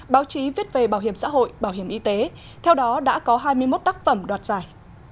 báo chí viết về bảo hiểm xã hội bảo hiểm y tế theo đó đã có hai mươi một tác phẩm đoạt giải